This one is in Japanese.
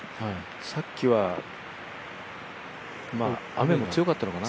さっきは雨も強かったのかな。